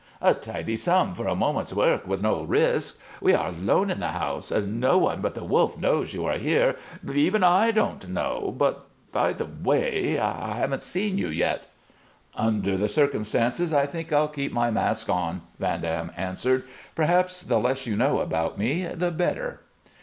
A tidy sum for a moment's work with no risk. We are alone in the house. No one but the Wolf knows you are here. Even I don't know By the way, I I haven't seen you yet." "Under the circumstances, I think I'll keep my mask on," Van Dam answered. "Perhaps the less you know about me, the better."